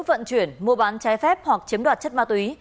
vận chuyển mua bán trái phép hoặc chiếm đoạt chất ma túy